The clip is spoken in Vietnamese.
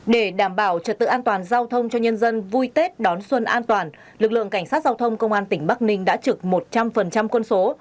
để đảm bảo trật tự an toàn giao thông cho nhân dân vui tết đón xuân an toàn lực lượng cảnh sát giao thông công an tỉnh bắc ninh đã trực một trăm linh quân số